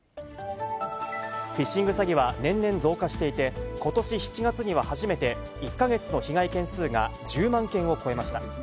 フィッシング詐欺は年々増加していて、ことし７月には、初めて１か月の被害件数が１０万件を超えました。